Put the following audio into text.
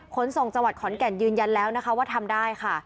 ค้นส่งจังหวัดขอนแก่นยืนยันว่าทำได้ค่ะ